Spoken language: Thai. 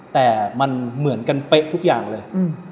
แต่มันเหมือนกันเป๊ะทุกอย่างเลย